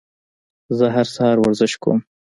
زه هر سهار ورزش کوم.